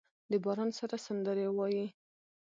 د باران سره سندرې وايي